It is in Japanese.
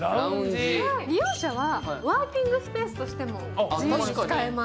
利用者はワーキングスペースとしても自由に使えます。